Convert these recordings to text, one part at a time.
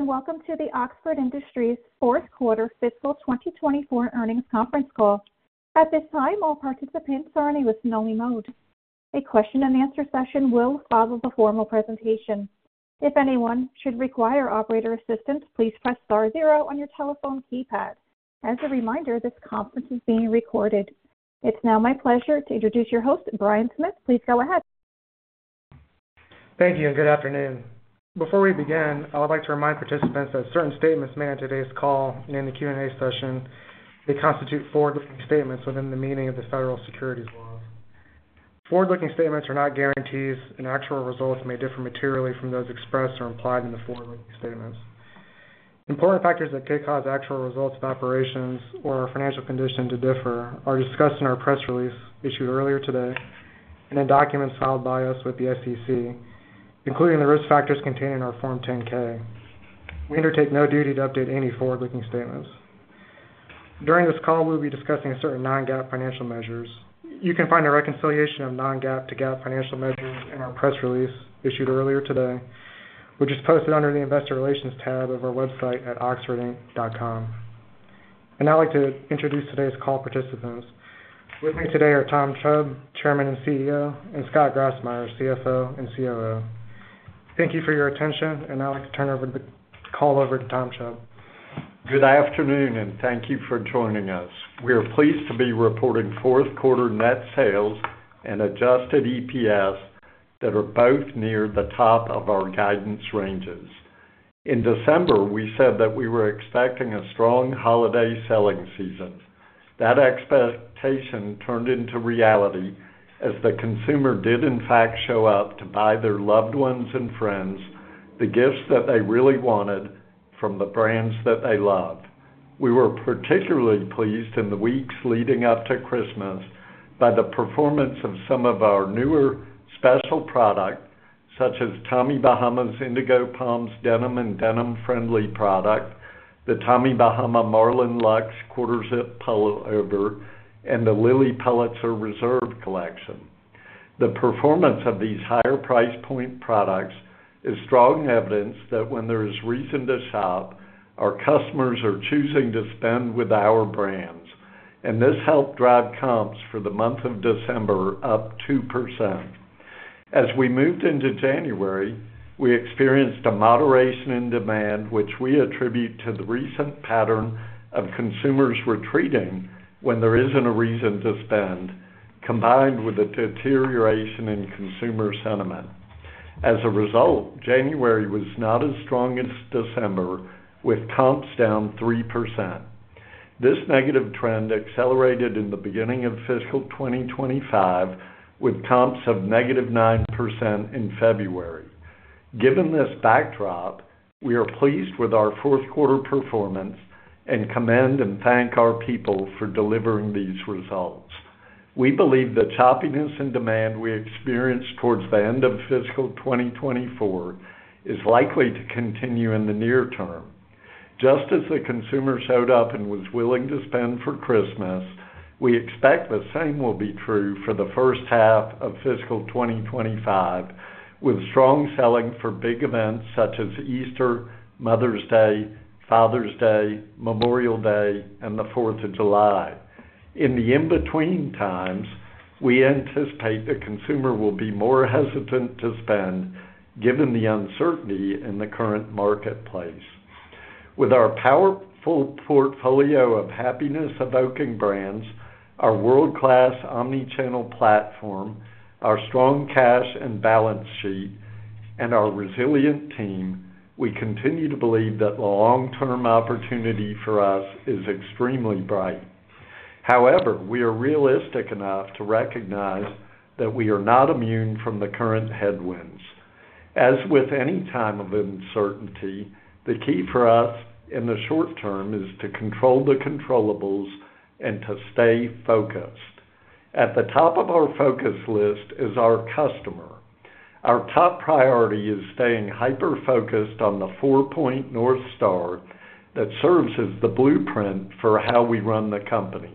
Welcome to the Oxford Industries Fourth Quarter Fiscal 2024 Earnings Conference Call. At this time, all participants are in a listen-only mode. A question-and-answer session will follow the formal presentation. If anyone should require operator assistance, please press star zero on your telephone keypad. As a reminder, this conference is being recorded. It's now my pleasure to introduce your host, Brian Smith. Please go ahead. Thank you, and good afternoon. Before we begin, I would like to remind participants that certain statements made on today's call and in the Q&A session may constitute forward-looking statements within the meaning of the Federal Securities Laws. Forward-looking statements are not guarantees, and actual results may differ materially from those expressed or implied in the forward-looking statements. Important factors that could cause actual results of operations or our financial condition to differ are discussed in our press release issued earlier today and in documents filed by us with the SEC, including the risk factors contained in our Form 10-K. We undertake no duty to update any forward-looking statements. During this call, we will be discussing certain non-GAAP financial measures. You can find a reconciliation of non-GAAP to GAAP financial measures in our press release issued earlier today, which is posted under the Investor Relations tab of our website at oxfordinc.com. I would like to introduce today's call participants. With me today are Tom Chubb, Chairman and CEO, and Scott Grassmyer, CFO and COO. Thank you for your attention, I would like to turn the call over to Tom Chubb. Good afternoon, and thank you for joining us. We are pleased to be reporting fourth-quarter net sales and Adjusted EPS that are both near the top of our guidance ranges. In December, we said that we were expecting a strong holiday selling season. That expectation turned into reality as the consumer did, in fact, show up to buy their loved ones and friends the gifts that they really wanted from the brands that they love. We were particularly pleased in the weeks leading up to Christmas by the performance of some of our newer special products, such as Tommy Bahama's Indigo Palms Denim and Denim Friendly product, the Tommy Bahama Marlin Luxe Quarter Zip Polo, and the Lilly Pulitzer Reserve Collection. The performance of these higher price point products is strong evidence that when there is reason to shop, our customers are choosing to spend with our brands, and this helped drive comps for the month of December up 2%. As we moved into January, we experienced a moderation in demand, which we attribute to the recent pattern of consumers retreating when there is not a reason to spend, combined with a deterioration in consumer sentiment. As a result, January was not as strong as December, with comps down 3%. This negative trend accelerated in the beginning of fiscal 2025, with comps of negative 9% in February. Given this backdrop, we are pleased with our fourth-quarter performance and commend and thank our people for delivering these results. We believe the choppiness in demand we experienced towards the end of fiscal 2024 is likely to continue in the near term. Just as the consumer showed up and was willing to spend for Christmas, we expect the same will be true for the first half of fiscal 2025, with strong selling for big events such as Easter, Mother's Day, Father's Day, Memorial Day, and the 4th of July. In the in-between times, we anticipate the consumer will be more hesitant to spend, given the uncertainty in the current marketplace. With our powerful portfolio of happiness-evoking brands, our world-class omnichannel platform, our strong cash and balance sheet, and our resilient team, we continue to believe that the long-term opportunity for us is extremely bright. However, we are realistic enough to recognize that we are not immune from the current headwinds. As with any time of uncertainty, the key for us in the short term is to control the controllables, and to stay focused. At the top of our focus list is our customer. Our top priority is staying hyper-focused on the Four Point North Star that serves as the blueprint for how we run the company.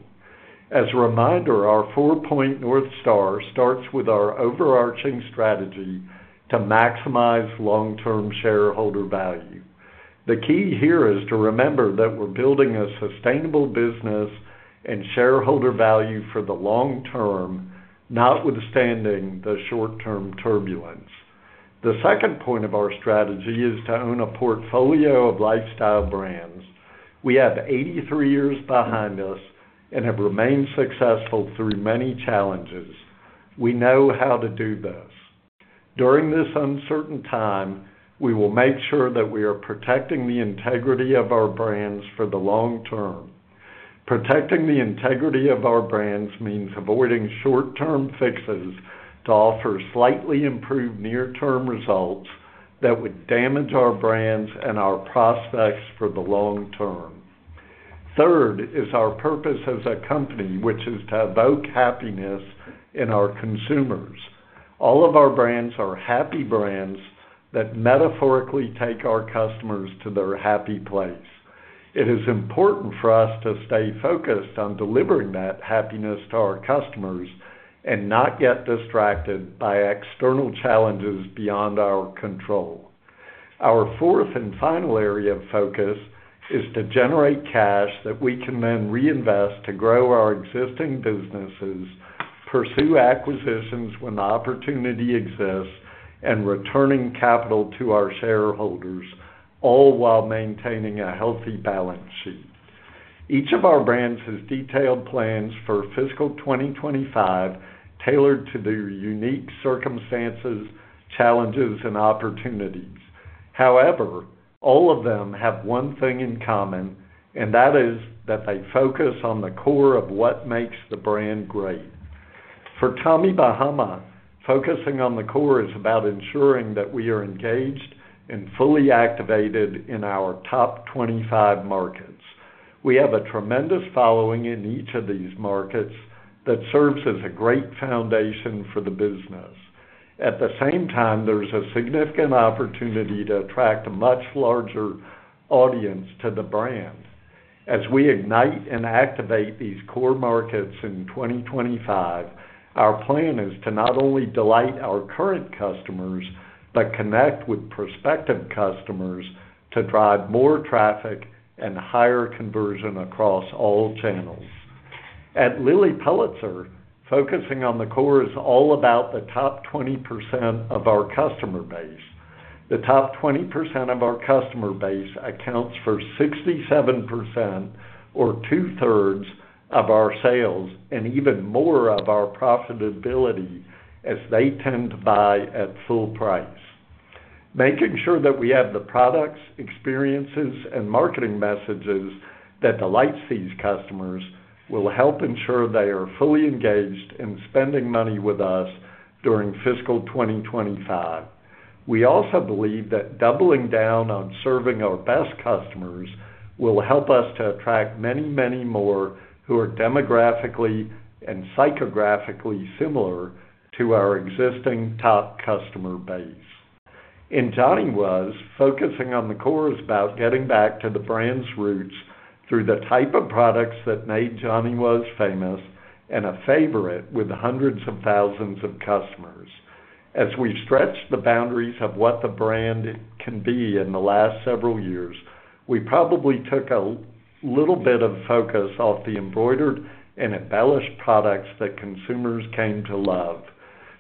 As a reminder, our Four Point North Star starts with our overarching strategy to maximize long-term shareholder value. The key here is to remember that we're building a sustainable business and shareholder value for the long term, not withstanding the short-term turbulence. The second point of our strategy is to own a portfolio of lifestyle brands. We have 83 years behind us and have remained successful through many challenges. We know how to do this. During this uncertain time, we will make sure that we are protecting the integrity of our brands for the long term. Protecting the integrity of our brands means avoiding short-term fixes to offer slightly improved near-term results that would damage our brands and our prospects for the long term. Third is our purpose as a company, which is to evoke happiness in our consumers. All of our brands are happy brands that metaphorically take our customers to their happy place. It is important for us to stay focused on delivering that happiness to our customers and not get distracted by external challenges beyond our control. Our fourth and final area of focus is to generate cash that we can then reinvest to grow our existing businesses, pursue acquisitions when the opportunity exists, and return capital to our shareholders, all while maintaining a healthy balance sheet. Each of our brands has detailed plans for fiscal 2025 tailored to their unique circumstances, challenges, and opportunities. However, all of them have one thing in common, and that is that they focus on the core of what makes the brand great. For Tommy Bahama, focusing on the core is about ensuring that we are engaged and fully activated in our top 25 markets. We have a tremendous following in each of these markets that serves as a great foundation for the business. At the same time, there's a significant opportunity to attract a much larger audience to the brand. As we ignite and activate these core markets in 2025, our plan is to not only delight our current customers but connect with prospective customers to drive more traffic and higher conversion across all channels. At Lilly Pulitzer, focusing on the core is all about the top 20% of our customer base. The top 20% of our customer base accounts for 67%, or two-thirds, of our sales and even more of our profitability as they tend to buy at full price. Making sure that we have the products, experiences, and marketing messages that delight these customers will help ensure they are fully engaged in spending money with us during fiscal 2025. We also believe that doubling down on serving our best customers will help us to attract many, many more who are demographically and psychographically similar to our existing top customer base. In Johnny Was, focusing on the core is about getting back to the brand's roots through the type of products that made Johnny Was famous and a favorite with hundreds of thousands of customers. As we've stretched the boundaries of what the brand can be in the last several years, we probably took a little bit of focus off the embroidered and embellished products that consumers came to love.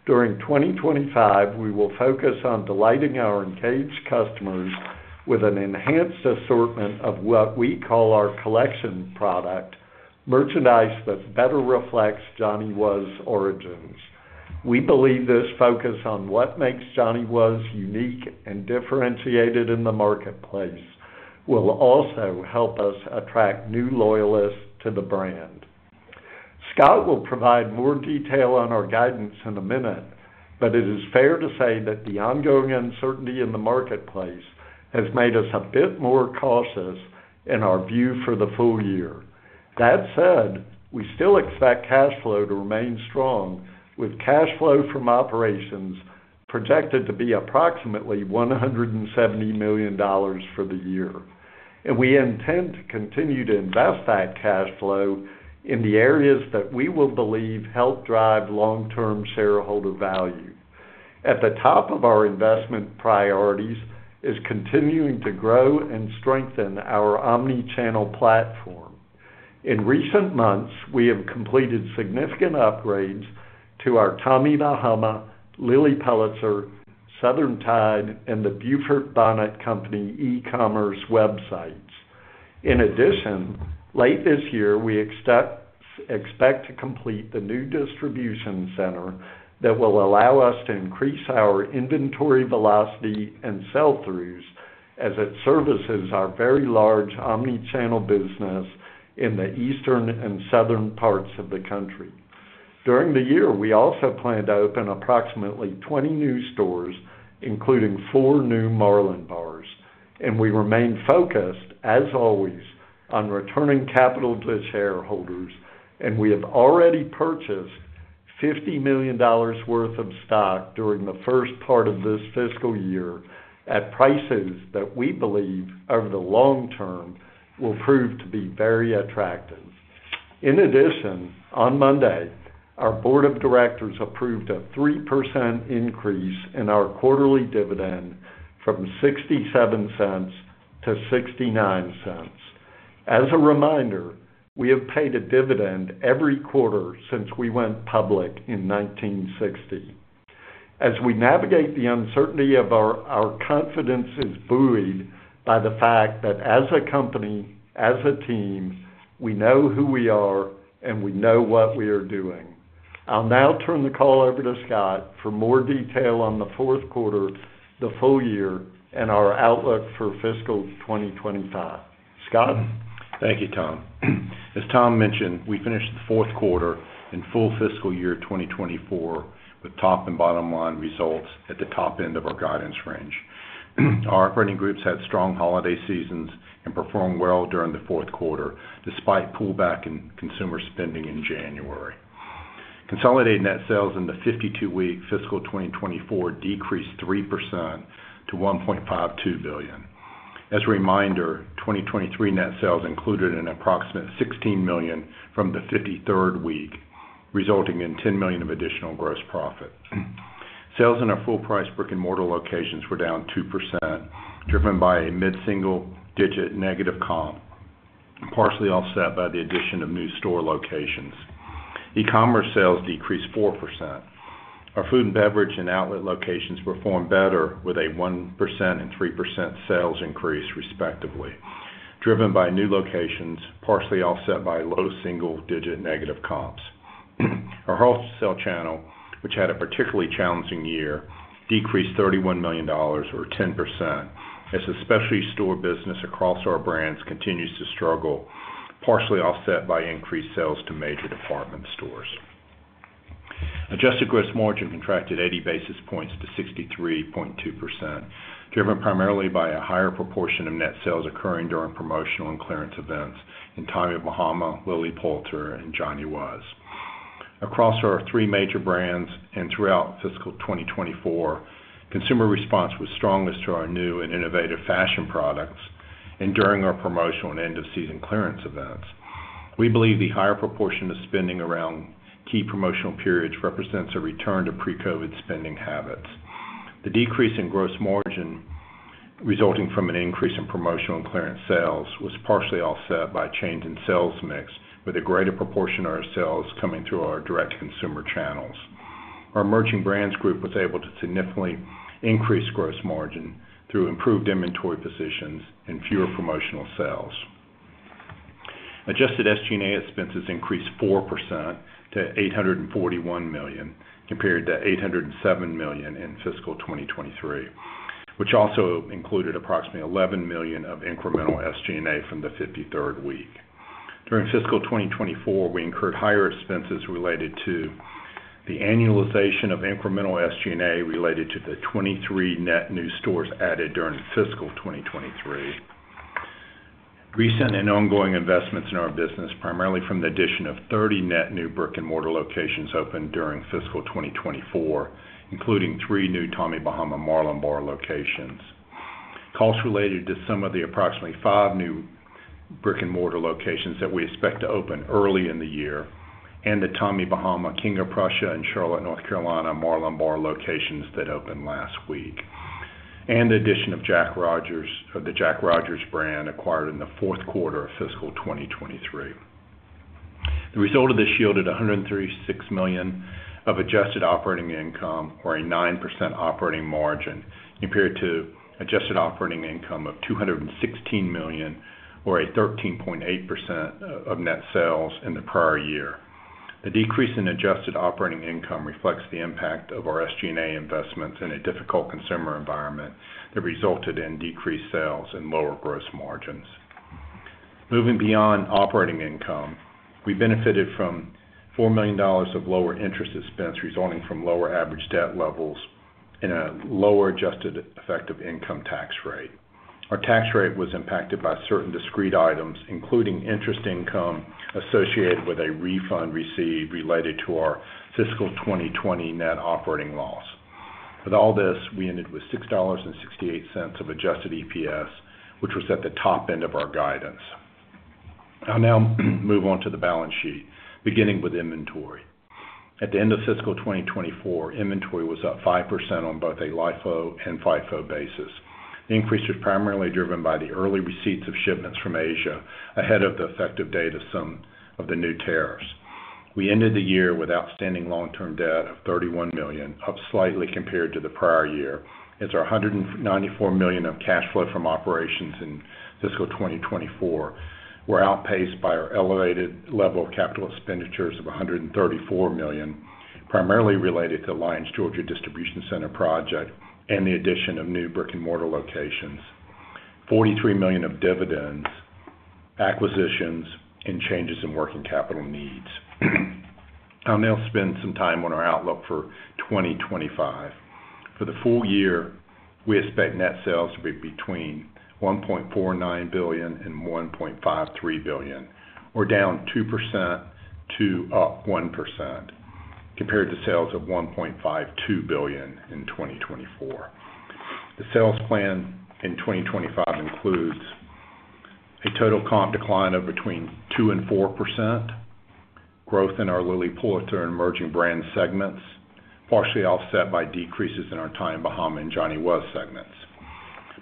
During 2025, we will focus on delighting our engaged customers with an enhanced assortment of what we call our collection product, merchandise that better reflects Johnny Was' origins. We believe this focus on what makes Johnny Was unique and differentiated in the marketplace will also help us attract new loyalists to the brand. Scott will provide more detail on our guidance in a minute, but it is fair to say that the ongoing uncertainty in the marketplace has made us a bit more cautious in our view for the full year. That said, we still expect cash flow to remain strong, with cash flow from operations projected to be approximately $170 million for the year. We intend to continue to invest that cash flow in the areas that we believe help drive long-term shareholder value. At the top of our investment priorities is continuing to grow and strengthen our omnichannel platform. In recent months, we have completed significant upgrades to our Tommy Bahama, Lilly Pulitzer, Southern Tide, and The Beaufort Bonnet Company e-commerce websites. In addition, late this year, we expect to complete the new distribution center that will allow us to increase our inventory velocity and sell-throughs as it services our very large omnichannel business in the eastern and southern parts of the country. During the year, we also plan to open approximately 20 new stores, including four new Marlin Bars. We remain focused, as always, on returning capital to shareholders, and we have already purchased $50 million worth of stock during the first part of this fiscal year at prices that we believe over the long term will prove to be very attractive. In addition, on Monday, our board of directors approved a 3% increase in our quarterly dividend from $0.67 to $0.69. As a reminder, we have paid a dividend every quarter since we went public in 1960. As we navigate the uncertainty, our confidence is buoyed by the fact that as a company, as a team, we know who we are and we know what we are doing. I'll now turn the call over to Scott for more detail on the fourth quarter, the full year, and our outlook for fiscal 2025. Scott? Thank you, Tom. As Tom mentioned, we finished the fourth quarter and full fiscal year 2024 with top and bottom line results at the top end of our guidance range. Our operating groups had strong holiday seasons and performed well during the fourth quarter, despite pullback in consumer spending in January. Consolidated net sales in the 52-week fiscal 2024 decreased 3% to $1.52 billion. As a reminder, 2023 net sales included an approximate $16 million from the 53rd week, resulting in $10 million of additional gross profit. Sales in our full-price brick-and-mortar locations were down 2%, driven by a mid-single-digit negative comp, partially offset by the addition of new store locations. E-commerce sales decreased 4%. Our food and beverage and outlet locations performed better with a 1% and 3% sales increase, respectively, driven by new locations, partially offset by low single-digit negative comps. Our wholesale channel, which had a particularly challenging year, decreased $31 million, or 10%, as the specialty store business across our brands continues to struggle, partially offset by increased sales to major department stores. Adjusted gross margin contracted 80 basis points to 63.2%, driven primarily by a higher proportion of net sales occurring during promotional and clearance events in Tommy Bahama, Lilly Pulitzer, and Johnny Was. Across our three major brands and throughout fiscal 2024, consumer response was strongest to our new and innovative fashion products and during our promotional and end-of-season clearance events. We believe the higher proportion of spending around key promotional periods represents a return to pre-COVID spending habits. The decrease in gross margin resulting from an increase in promotional and clearance sales was partially offset by a change in sales mix, with a greater proportion of our sales coming through our direct consumer channels. Our merchant brands group was able to significantly increase gross margin through improved inventory positions and fewer promotional sales. Adjusted SG&A expenses increased 4% to $841 million, compared to $807 million in fiscal 2023, which also included approximately $11 million of incremental SG&A from the 53rd week. During fiscal 2024, we incurred higher expenses related to the annualization of incremental SG&A related to the 23 net new stores added during fiscal 2023. Recent and ongoing investments in our business, primarily from the addition of 30 net new brick-and-mortar locations opened during fiscal 2024, including three new Tommy Bahama Marlin Bar locations. Costs related to some of the approximately five new brick-and-mortar locations that we expect to open early in the year, and the Tommy Bahama, King of Prussia, and Charlotte, North Carolina, Marlin Bar locations that opened last week, and the addition of Jack Rogers, the Jack Rogers brand acquired in the fourth quarter of fiscal 2023. The result of this yielded $136 million of adjusted operating income, or a 9% operating margin, compared to adjusted operating income of $216 million, or 13.8% of net sales in the prior year. The decrease in adjusted operating income reflects the impact of our SG&A investments in a difficult consumer environment that resulted in decreased sales and lower gross margins. Moving beyond operating income, we benefited from $4 million of lower interest expense resulting from lower average debt levels and a lower adjusted effective income tax rate. Our tax rate was impacted by certain discrete items, including interest income associated with a refund received related to our fiscal 2020 net operating loss. With all this, we ended with $6.68 of Adjusted EPS, which was at the top end of our guidance. I'll now move on to the balance sheet, beginning with inventory. At the end of fiscal 2024, inventory was up 5% on both a LIFO and FIFO basis. The increase was primarily driven by the early receipts of shipments from Asia ahead of the effective date of some of the new tariffs. We ended the year with outstanding long-term debt of $31 million, up slightly compared to the prior year, as our $194 million of cash flow from operations in fiscal 2024 were outpaced by our elevated level of capital expenditures of $134 million, primarily related to the Lyons, Georgia distribution center project and the addition of new brick-and-mortar locations, $43 million of dividends, acquisitions, and changes in working capital needs. I'll now spend some time on our outlook for 2025. For the full year, we expect net sales to be between $1.49 billion and $1.53 billion, or down 2% to up 1%, compared to sales of $1.52 billion in 2024. The sales plan in 2025 includes a total comp decline of between 2% and 4%, growth in our Lilly Pulitzer and emerging brand segments, partially offset by decreases in our Tommy Bahama and Johnny Was segments.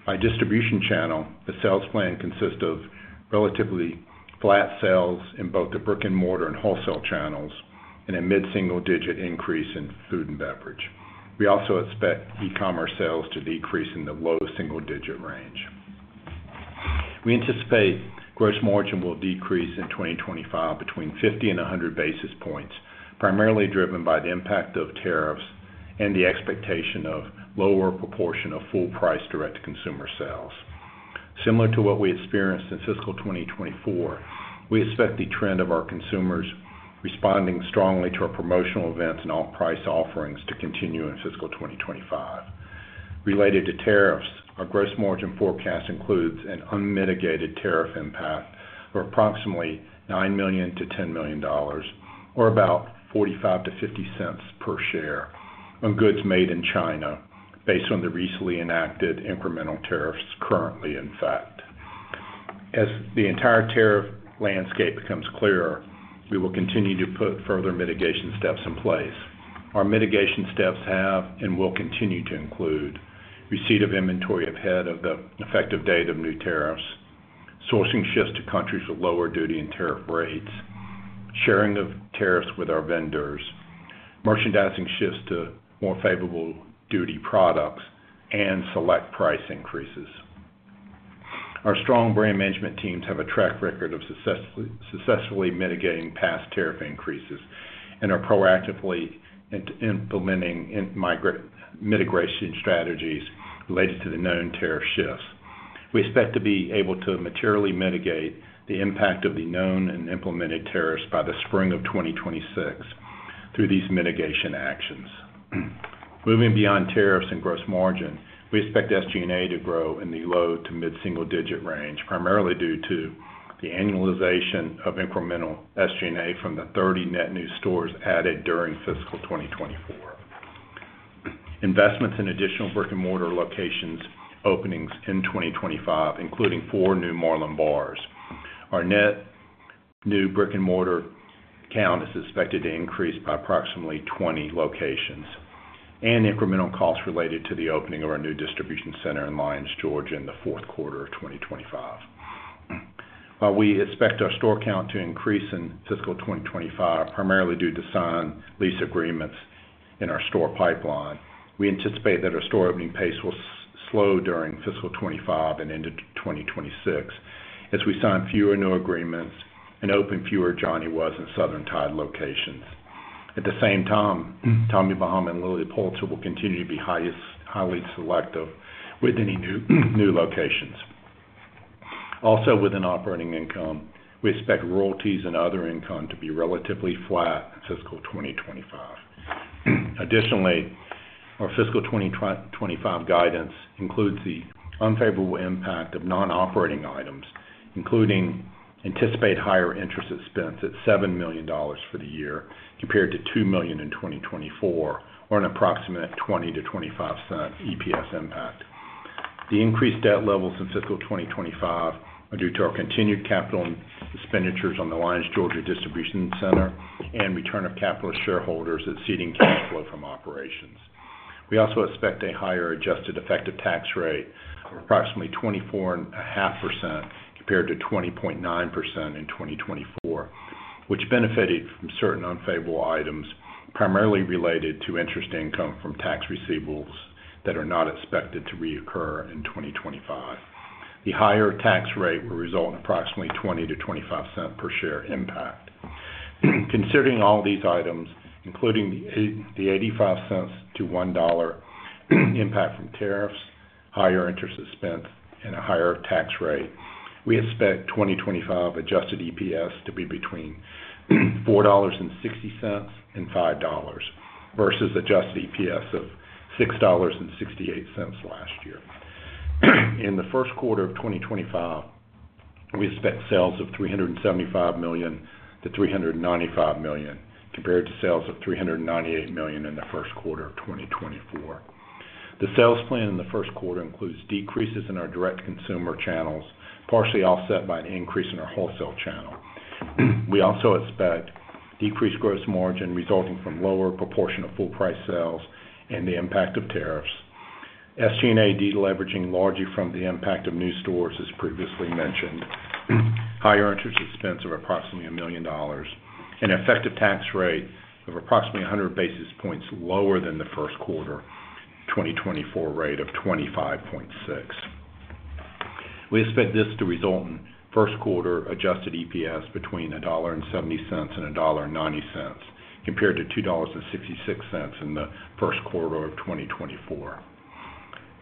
By distribution channel, the sales plan consists of relatively flat sales in both the brick-and-mortar and wholesale channels, and a mid-single-digit increase in food and beverage. We also expect e-commerce sales to decrease in the low single-digit range. We anticipate gross margin will decrease in 2025 between 50 and 100 basis points, primarily driven by the impact of tariffs and the expectation of lower proportion of full-price direct-to-consumer sales. Similar to what we experienced in fiscal 2024, we expect the trend of our consumers responding strongly to our promotional events and all price offerings to continue in fiscal 2025. Related to tariffs, our gross margin forecast includes an unmitigated tariff impact of approximately $9 million-$10 million, or about $0.45-$0.50 per share on goods made in China, based on the recently enacted incremental tariffs currently in effect. As the entire tariff landscape becomes clearer, we will continue to put further mitigation steps in place. Our mitigation steps have and will continue to include receipt of inventory ahead of the effective date of new tariffs, sourcing shifts to countries with lower duty and tariff rates, sharing of tariffs with our vendors, merchandising shifts to more favorable duty products, and select price increases. Our strong brand management teams have a track record of successfully mitigating past tariff increases and are proactively implementing mitigation strategies related to the known tariff shifts. We expect to be able to materially mitigate the impact of the known and implemented tariffs by the spring of 2026 through these mitigation actions. Moving beyond tariffs and gross margin, we expect SG&A to grow in the low to mid-single-digit range, primarily due to the annualization of incremental SG&A from the 30 net new stores added during fiscal 2024. Investments in additional brick-and-mortar locations openings in 2025, including four new Marlin Bars. Our net new brick-and-mortar count is expected to increase by approximately 20 locations and incremental costs related to the opening of our new distribution center in Lyons, Georgia, in the fourth quarter of 2025. While we expect our store count to increase in fiscal 2025, primarily due to signed lease agreements in our store pipeline, we anticipate that our store opening pace will slow during fiscal 2025 and into 2026 as we sign fewer new agreements and open fewer Johnny Was and Southern Tide locations. At the same time, Tommy Bahama and Lilly Pulitzer will continue to be highly selective with any new locations. Also, within operating income, we expect royalties and other income to be relatively flat. Fiscal 2025. Additionally, our fiscal 2025 guidance includes the unfavorable impact of non-operating items, including anticipated higher interest expense at $7 million for the year, compared to $2 million in 2024, or an approximate $0.20-$0.25 EPS impact. The increased debt levels in fiscal 2025 are due to our continued capital expenditures on the Lyons, Georgia distribution center and return of capital shareholders exceeding cash flow from operations. We also expect a higher adjusted effective tax rate, approximately 24.5%, compared to 20.9% in 2024, which benefited from certain unfavorable items, primarily related to interest income from tax receivables that are not expected to reoccur in 2025. The higher tax rate will result in approximately $0.20-$0.25 per share impact. Considering all these items, including the $0.85-$1 impact from tariffs, higher interest expense, and a higher tax rate, we expect 2025 Adjusted EPS to be between $4.60-$5 versus adjusted EPS of $6.68 last year. In the first quarter of 2025, we expect sales of $375 million-$395 million, compared to sales of $398 million in the first quarter of 2024. The sales plan in the first quarter includes decreases in our direct consumer channels, partially offset by an increase in our wholesale channel. We also expect decreased gross margin resulting from lower proportion of full-price sales and the impact of tariffs. SG&A de-leveraging largely from the impact of new stores, as previously mentioned, higher interest expense of approximately $1 million, and effective tax rate of approximately 100 basis points lower than the first quarter 2024 rate of 25.6%. We expect this to result in first quarter Adjusted EPS between $1.70 and $1.90, compared to $2.66 in the first quarter of 2024.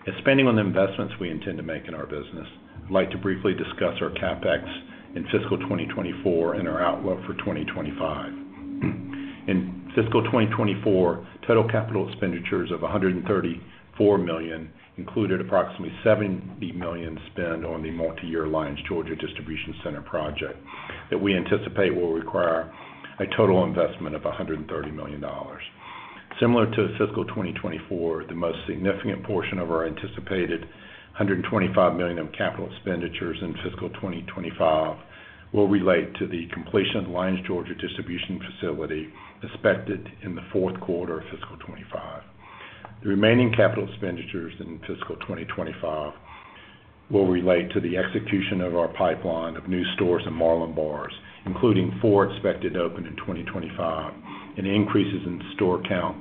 As spending on the investments we intend to make in our business, I'd like to briefly discuss our CapEx in fiscal 2024 and our outlook for 2025. In fiscal 2024, total capital expenditures of $134 million included approximately $70 million spent on the multi-year Lyons, Georgia distribution center project that we anticipate will require a total investment of $130 million. Similar to fiscal 2024, the most significant portion of our anticipated $125 million of capital expenditures in fiscal 2025 will relate to the completion of the Lyons, Georgia distribution facility expected in the fourth quarter of fiscal 2025. The remaining capital expenditures in fiscal 2025 will relate to the execution of our pipeline of new stores and Marlin Bars, including four expected to open in 2025, and increases in store count,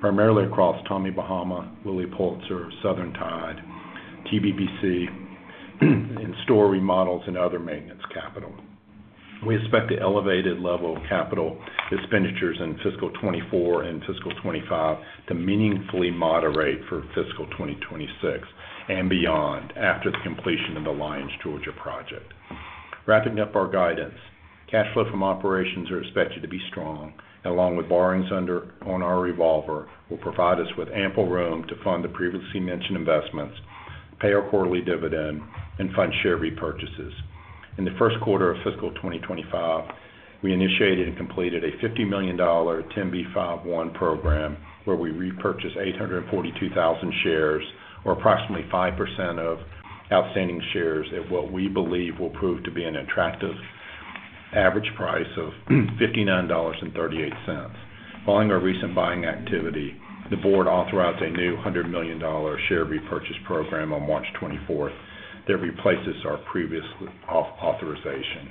primarily across Tommy Bahama, Lilly Pulitzer, Southern Tide, The Beaufort Bonnet Company, and store remodels and other maintenance capital. We expect the elevated level of capital expenditures in fiscal 2024 and fiscal 2025 to meaningfully moderate for fiscal 2026 and beyond after the completion of the Lyons, Georgia project. Wrapping up our guidance, cash flow from operations are expected to be strong, along with borrowings under our revolver, which will provide us with ample room to fund the previously mentioned investments, pay our quarterly dividend, and fund share repurchases. In the first quarter of fiscal 2025, we initiated and completed a $50 million 10B5-1 program, where we repurchased 842,000 shares, or approximately 5% of outstanding shares, at what we believe will prove to be an attractive average price of $59.38. Following our recent buying activity, the board authorized a new $100 million share repurchase program on March 24 that replaces our previous authorization.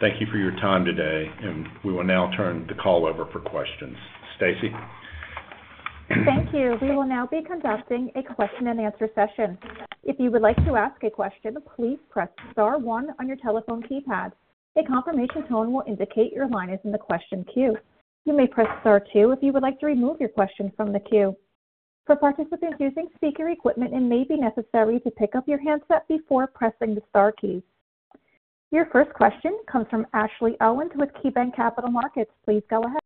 Thank you for your time today, and we will now turn the call over for questions. Stacey. Thank you. We will now be conducting a question-and-answer session. If you would like to ask a question, please press star one on your telephone keypad. A confirmation tone will indicate your line is in the question queue. You may press star two if you would like to remove your question from the queue. For participants using speaker equipment, it may be necessary to pick up your handset before pressing the Star keys. Your first question comes from Ashley Owens with KeyBank Capital Markets. Please go ahead.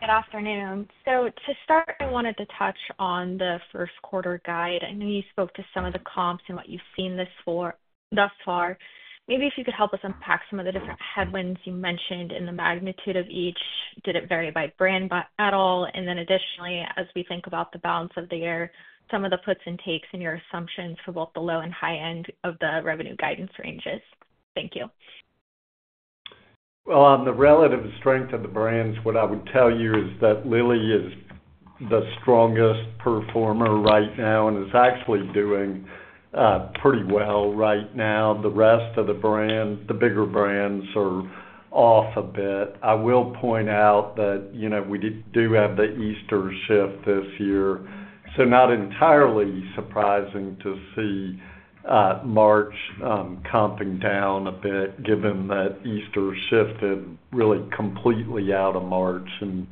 Good afternoon. To start, I wanted to touch on the first quarter guide. I know you spoke to some of the comps and what you've seen thus far. Maybe if you could help us unpack some of the different headwinds you mentioned and the magnitude of each, did it vary by brand at all? Additionally, as we think about the balance of the year, some of the puts and takes and your assumptions for both the low and high end of the revenue guidance ranges. Thank you. On the relative strength of the brands, what I would tell you is that Lilly is the strongest performer right now and is actually doing pretty well right now. The rest of the brands, the bigger brands, are off a bit. I will point out that we do have the Easter shift this year, so not entirely surprising to see March comping down a bit, given that Easter shifted really completely out of March and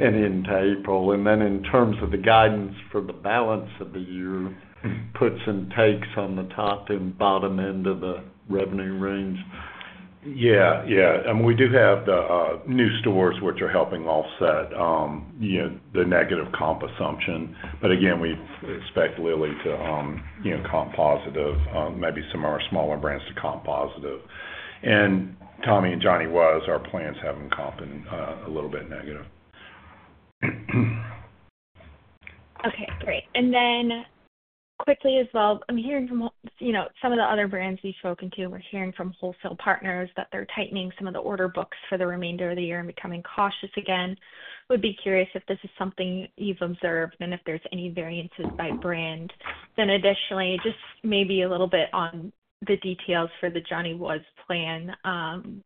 into April. In terms of the guidance for the balance of the year, puts and takes on the top and bottom end of the revenue range. Yeah, yeah. We do have the new stores, which are helping offset the negative comp assumption. Again, we expect Lilly to comp positive, maybe some of our smaller brands to comp positive. Tommy and Johnny Was, our plans have them comping a little bit negative. Okay. Great. Quickly as well, I'm hearing from some of the other brands we've spoken to, we're hearing from wholesale partners that they're tightening some of the order books for the remainder of the year and becoming cautious again. Would be curious if this is something you've observed and if there's any variances by brand. Additionally, just maybe a little bit on the details for the Johnny Was plan.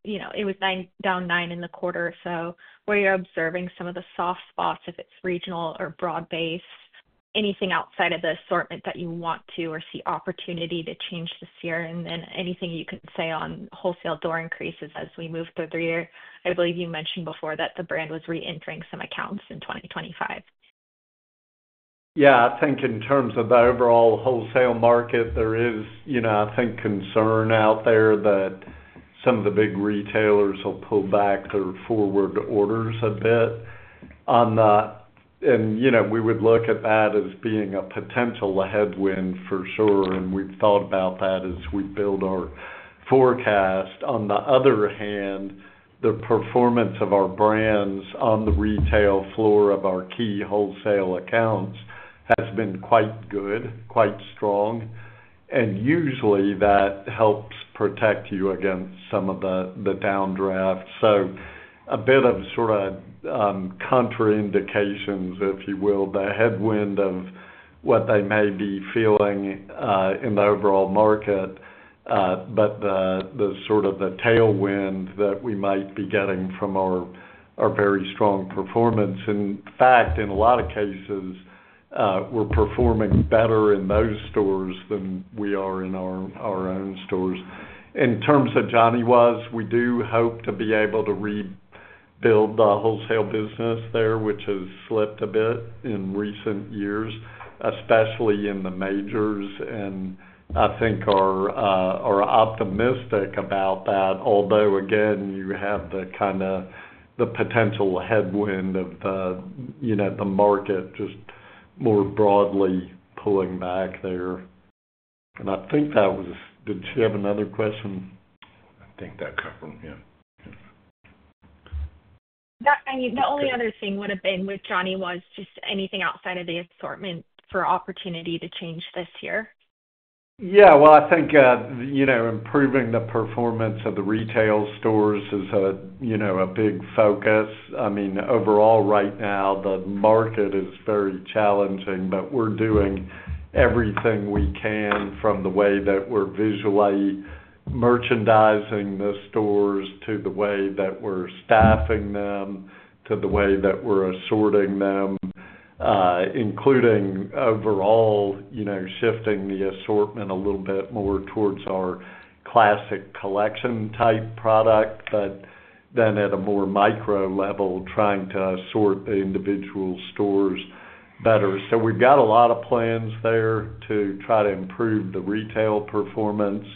It was down 9% in the quarter. So were you observing some of the soft spots, if it's regional or broad-based, anything outside of the assortment that you want to or see opportunity to change this year? Anything you can say on wholesale door increases as we move through the year? I believe you mentioned before that the brand was reentering some accounts in 2025. Yeah. I think in terms of the overall wholesale market, there is, I think, concern out there that some of the big retailers will pull back their forward orders a bit. We would look at that as being a potential headwind for sure. We have thought about that as we build our forecast. On the other hand, the performance of our brands on the retail floor of our key wholesale accounts has been quite good, quite strong. Usually, that helps protect you against some of the downdrafts. A bit of sort of contraindications, if you will, the headwind of what they may be feeling in the overall market, but sort of the tailwind that we might be getting from our very strong performance. In fact, in a lot of cases, we're performing better in those stores than we are in our own stores. In terms of Johnny Was, we do hope to be able to rebuild the wholesale business there, which has slipped a bit in recent years, especially in the majors. I think we're optimistic about that, although, again, you have the kind of the potential headwind of the market just more broadly pulling back there. I think that was—did she have another question? I think that covered them. Yeah. The only other thing would have been with Johnny Was, just anything outside of the assortment for opportunity to change this year? I think improving the performance of the retail stores is a big focus. I mean, overall, right now, the market is very challenging, but we're doing everything we can from the way that we're visually merchandising the stores to the way that we're staffing them to the way that we're assorting them, including overall shifting the assortment a little bit more towards our classic collection-type product, but then at a more micro level, trying to assort the individual stores better. We have a lot of plans there to try to improve the retail performance.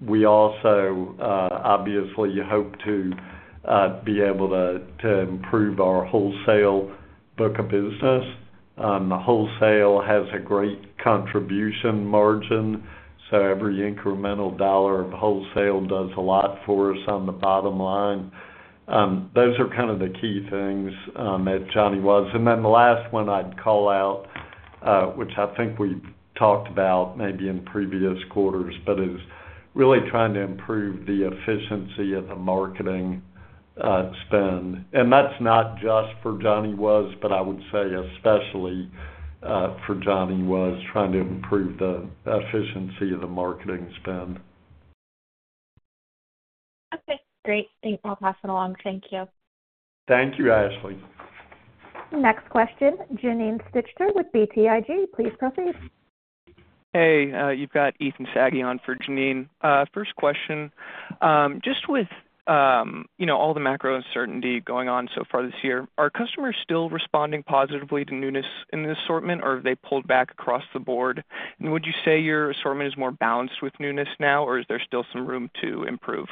We also, obviously, hope to be able to improve our wholesale book of business. The wholesale has a great contribution margin, so every incremental dollar of wholesale does a lot for us on the bottom line. Those are kind of the key things at Johnny Was. And then the last one I'd call out, which I think we've talked about maybe in previous quarters, is really trying to improve the efficiency of the marketing spend. That's not just for Johnny Was, but I would say especially for Johnny Was, trying to improve the efficiency of the marketing spend. Okay. Great. Thanks. I'll pass it along. Thank you. Thank you, Ashley. Next question, Janine Stichter with BTIG. Please proceed. Hey. You've got Ethan Siavosh Saghi on for Janine. First question, just with all the macro uncertainty going on so far this year, are customers still responding positively to newness in the assortment, or have they pulled back across the board? Would you say your assortment is more balanced with newness now, or is there still some room to improve?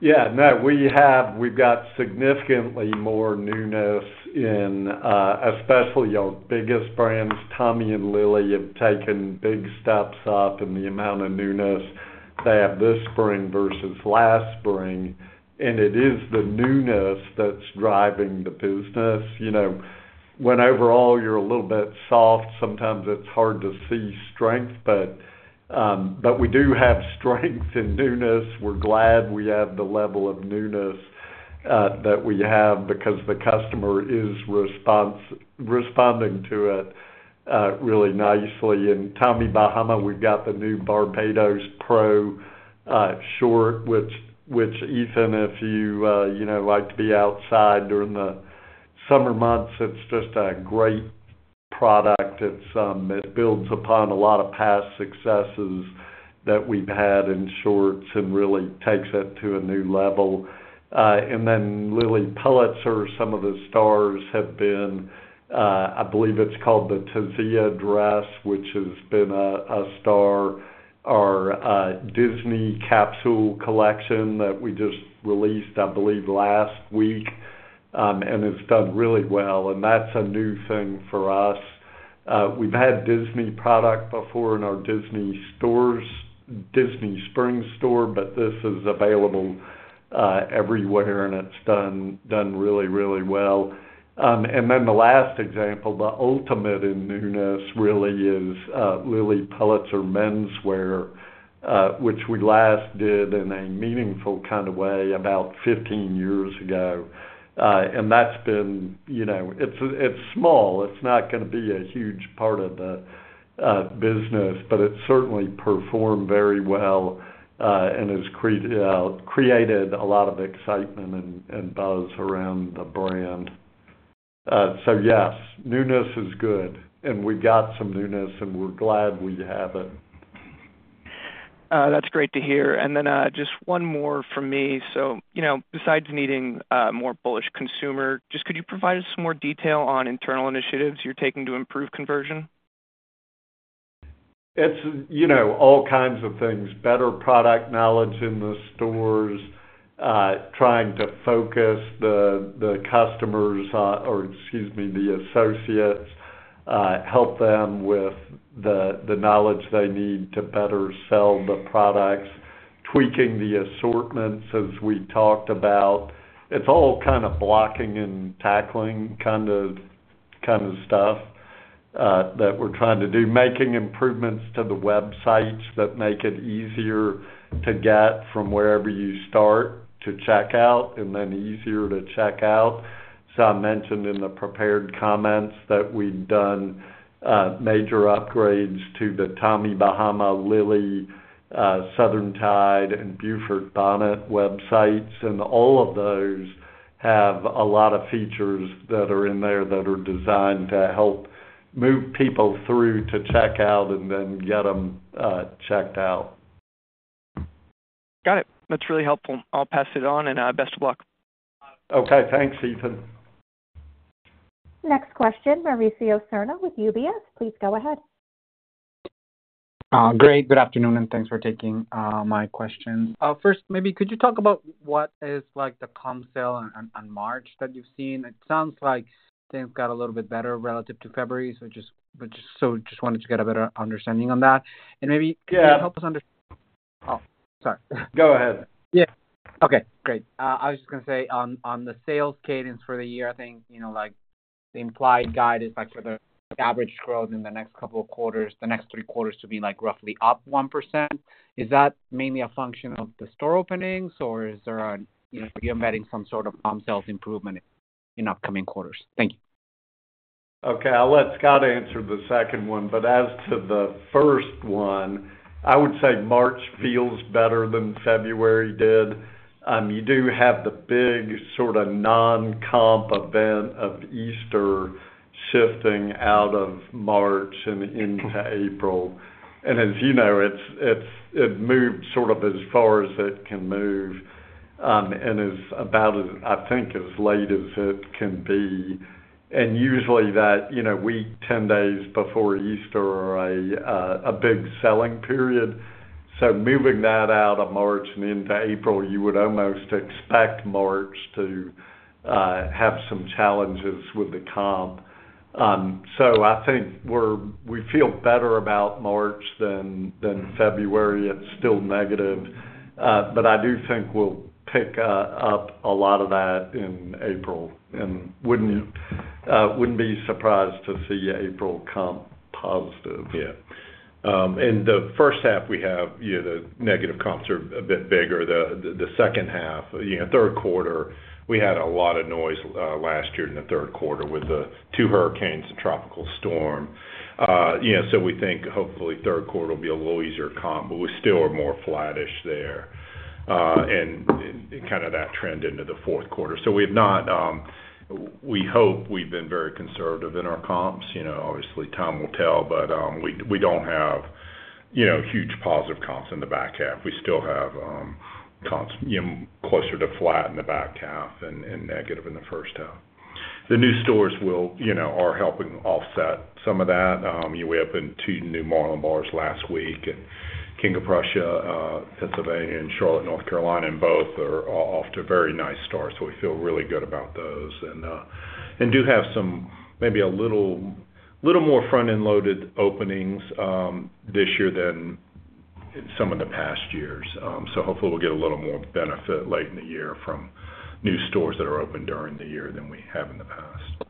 Yeah. No, we've got significantly more newness, especially our biggest brands. Tommy and Lilly have taken big steps up in the amount of newness they have this spring versus last spring. It is the newness that's driving the business. When overall you're a little bit soft, sometimes it's hard to see strength, but we do have strength in newness. We're glad we have the level of newness that we have because the customer is responding to it really nicely. In Tommy Bahama, we've got the new Barbados Pro short, which Ethan, if you like to be outside during the summer months, it's just a great product. It builds upon a lot of past successes that we've had in shorts and really takes it to a new level. Lilly Pulitzer, some of the stars, have been—I believe it's called the Taisie Dress, which has been a star, our Disney capsule collection that we just released, I believe, last week, and has done really well. That's a new thing for us. We've had Disney product before in our Disney stores, Disney Springs store, but this is available everywhere, and it's done really, really well. The last example, the ultimate in newness really is Lilly Pulitzer Men's Wear, which we last did in a meaningful kind of way about 15 years ago. That's been—it's small. It's not going to be a huge part of the business, but it's certainly performed very well and has created a lot of excitement and buzz around the brand. Yes, newness is good, and we've got some newness, and we're glad we have it. That's great to hear. Just one more from me. Besides needing a more bullish consumer, could you provide us some more detail on internal initiatives you're taking to improve conversion? It's all kinds of things: better product knowledge in the stores, trying to focus the customers or, excuse me, the associates, help them with the knowledge they need to better sell the products, tweaking the assortments, as we talked about. It's all kind of blocking and tackling kind of stuff that we're trying to do, making improvements to the websites that make it easier to get from wherever you start to check out and then easier to check out. I mentioned in the prepared comments that we've done major upgrades to the Tommy Bahama, Lilly, Southern Tide, and Beaufort Bonnet websites. All of those have a lot of features that are in there that are designed to help move people through to check out and then get them checked out. Got it. That's really helpful. I'll pass it on, and best of luck. Okay. Thanks, Ethan. Next question, Mauricio Serna with UBS. Please go ahead. Great. Good afternoon, and thanks for taking my questions. First, maybe could you talk about what is the comp sale on March that you've seen? It sounds like things got a little bit better relative to February, so just wanted to get a better understanding on that. Maybe could you help us understand—oh, sorry. Go ahead. Yeah. Okay. Great. I was just going to say on the sales cadence for the year, I think the implied guide is for the average growth in the next couple of quarters, the next three quarters to be roughly up 1%. Is that mainly a function of the store openings, or are you embedding some sort of comp sales improvement in upcoming quarters? Thank you. Okay. I'll let Scott answer the second one. As to the first one, I would say March feels better than February did. You do have the big sort of non-comp event of Easter shifting out of March and into April. As you know, it moved sort of as far as it can move and is about, I think, as late as it can be. Usually, that week, 10 days before Easter, is a big selling period. Moving that out of March and into April, you would almost expect March to have some challenges with the comp. I think we feel better about March than February. It's still negative. I do think we'll pick up a lot of that in April and wouldn't be surprised to see April comp positive. Yeah. In the first half, we have the negative comps are a bit bigger. The second half, third quarter, we had a lot of noise last year in the third quarter with the two hurricanes and tropical storm. We think, hopefully, third quarter will be a little easier comp, but we still are more flattish there and kind of that trend into the fourth quarter. We hope we've been very conservative in our comps. Obviously, time will tell, but we don't have huge positive comps in the back half. We still have comps closer to flat in the back half and negative in the first half. The new stores are helping offset some of that. We opened two new Marlin Bars last week in King of Prussia, Pennsylvania, and Charlotte, North Carolina, and both are off to a very nice start. We feel really good about those and do have maybe a little more front-end loaded openings this year than some of the past years. Hopefully, we'll get a little more benefit late in the year from new stores that are open during the year than we have in the past.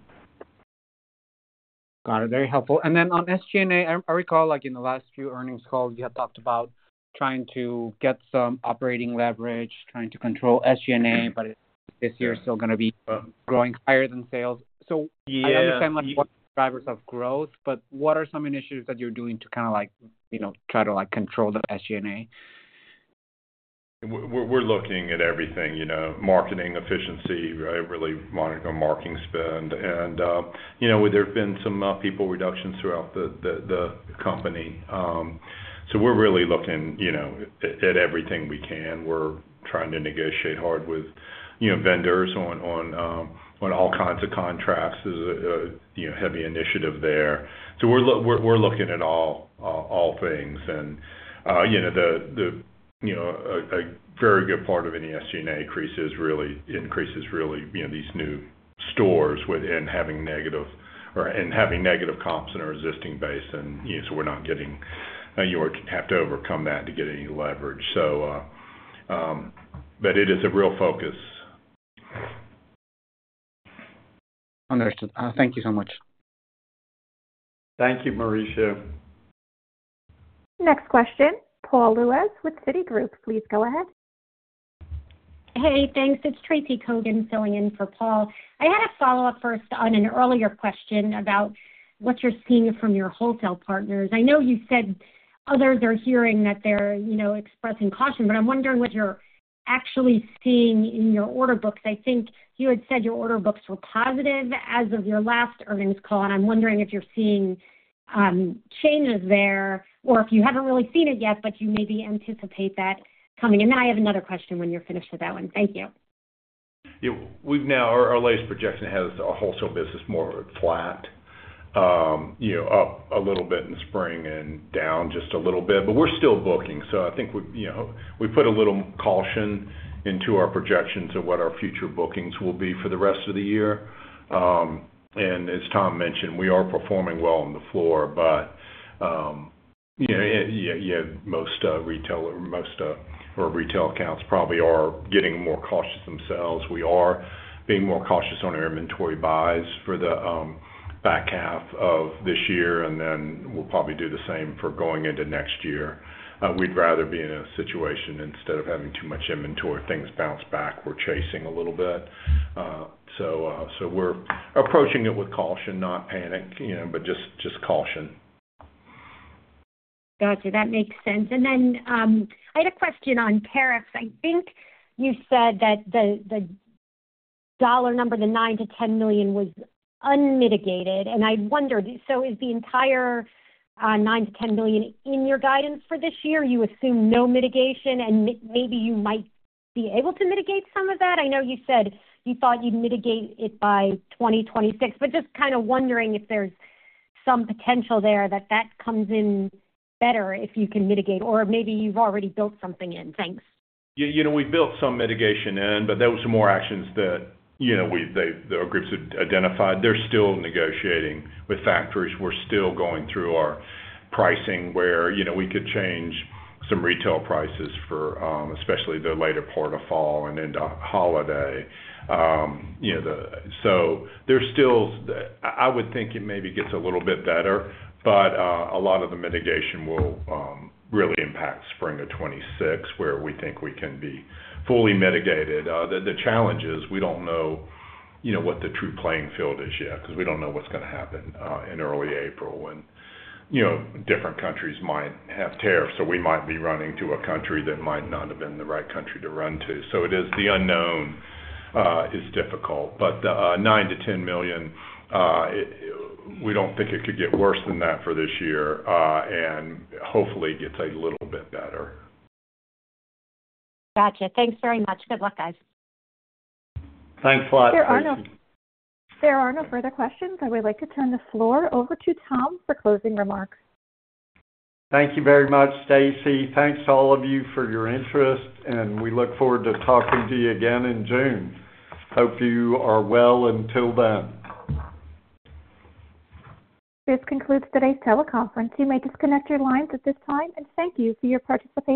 Got it. Very helpful. On SG&A, I recall in the last few earnings calls, you had talked about trying to get some operating leverage, trying to control SG&A, but this year is still going to be growing higher than sales. I understand what the drivers of growth, but what are some initiatives that you're doing to kind of try to control the SG&A? We're looking at everything: marketing efficiency, really monitoring our marketing spend. And there have been some people reductions throughout the company. We're really looking at everything we can. We're trying to negotiate hard with vendors on all kinds of contracts. There's a heavy initiative there. We're looking at all things. The very good part of any SG&A increases really these new stores within having negative or in having negative comps and a resisting base. We're not getting you have to overcome that to get any leverage. It is a real focus. Understood. Thank you so much. Thank you, Mauricio. Next question, Paul Lejuez with Citigroup. Please go ahead. Hey, thanks. It's Tracy Kogan filling in for Paul. I had a follow-up first on an earlier question about what you're seeing from your wholesale partners. I know you said others are hearing that they're expressing caution, but I'm wondering what you're actually seeing in your order books. I think you had said your order books were positive as of your last earnings call, and I'm wondering if you're seeing changes there or if you haven't really seen it yet, but you maybe anticipate that coming. I have another question when you're finished with that one. Thank you. Our latest projection has our wholesale business more flat up a little bit in spring and down just a little bit. We're still booking. I think we put a little caution into our projections of what our future bookings will be for the rest of the year. As Tom mentioned, we are performing well on the floor, but yeah, most retail accounts probably are getting more cautious themselves. We are being more cautious on our inventory buys for the back half of this year, and then we'll probably do the same for going into next year. We'd rather be in a situation instead of having too much inventory, things bounce back, we're chasing a little bit. We are approaching it with caution, not panic, but just caution. Gotcha. That makes sense. I had a question on tariffs. I think you said that the dollar number, the $9 million-$10 million was unmitigated. I wondered, is the entire $9 million-$10 million in your guidance for this year? You assume no mitigation, and maybe you might be able to mitigate some of that. I know you said you thought you'd mitigate it by 2026, but just kind of wondering if there's some potential there that that comes in better if you can mitigate, or maybe you've already built something in. Thanks. We built some mitigation in, but there were some more actions that our groups had identified. They're still negotiating with factories. We're still going through our pricing where we could change some retail prices for especially the later part of fall and into holiday. I would think it maybe gets a little bit better, but a lot of the mitigation will really impact spring of 2026 where we think we can be fully mitigated. The challenge is we don't know what the true playing field is yet because we don't know what's going to happen in early April when different countries might have tariffs. We might be running to a country that might not have been the right country to run to. It is the unknown that is difficult. The $9 million-$10 million, we do not think it could get worse than that for this year, and hopefully, it gets a little bit better. Gotcha. Thanks very much. Good luck, guys. Thanks a lot. Thank you. There are no further questions. I would like to turn the floor over to Tom for closing remarks. Thank you very much, Stacy. Thanks to all of you for your interest, and we look forward to talking to you again in June. Hope you are well until then. This concludes today's teleconference. You may disconnect your lines at this time. Thank you for your participation.